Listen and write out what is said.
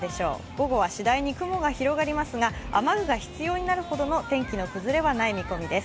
午後は次第に雲が広がりますが雨具が必要になるほどの天気の崩れはない見込みです。